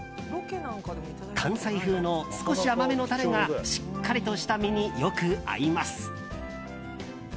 関西風の少し甘めのタレがしっかりとした身によく合います。